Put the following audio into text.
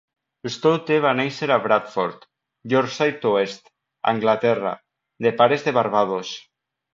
Stoute va néixer a Bradford, Yorkshire oest, Anglaterra, de pares de Barbados.